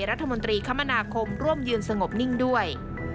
พิธรรมลักษมณาคมร่วมยืนสงบนิ่งด้วย